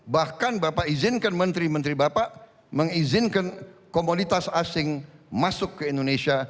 bahkan bapak izinkan menteri menteri bapak mengizinkan komoditas asing masuk ke indonesia